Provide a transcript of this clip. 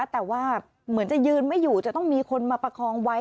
แต่ว่าเหมือนจะยืนไม่อยู่จะต้องมีคนมาประคองไว้